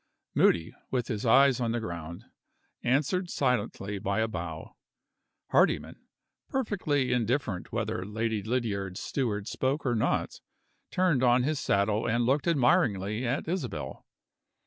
Moody, with his eyes on the ground, answered silently by a bow. Hardyman, perfectly indifferent whether Lady Lydiard's steward spoke or not, turned on his saddle and looked admiringly at Isabel.